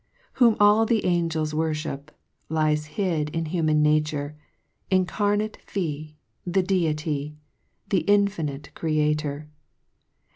4 Whom all the angels worfhip, Lies hid in human nature: Incarnate fee, — The Deity, The infinite Creator!